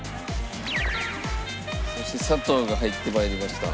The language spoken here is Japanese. そして砂糖が入って参りました。